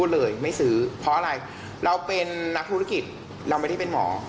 เราเป็นนักธุรกิจเราไม่ได้เป็นหมอ